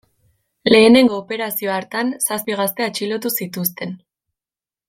Lehenengo operazio hartan, zazpi gazte atxilotu zituzten.